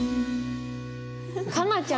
カナちゃん